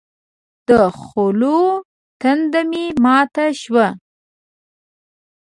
د خولو تنده مې ماته شوه.